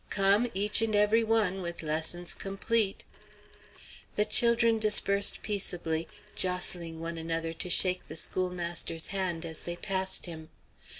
Come, each and every one, with lessons complete." The children dispersed peaceably, jostling one another to shake the schoolmaster's hand as they passed him.